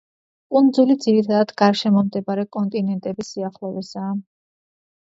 კუნძულები ძირითადად გარშემო მდებარე კონტინენტების სიახლოვესაა.